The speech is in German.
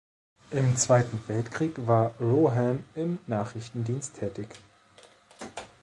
Im Zweiten Weltkrieg war Rohan im Nachrichtendienst tätig.